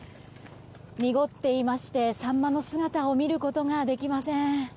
にごっていまして、サンマの姿を見ることができません。